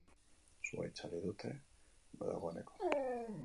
Sua itzali dute dagoeneko.